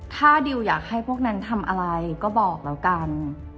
ถ้าดิวอยากให้พวกนั้นทำอะไรก็บอกแล้วกัน